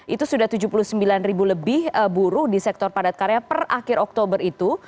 itu sudah tujuh puluh sembilan ribu lebih buruh di sektor padat karya per akhir oktober itu